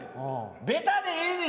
ベタでええねん。